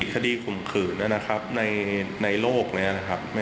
คดีข่มขืนนะครับในโลกนี้นะครับ